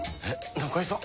中居さん？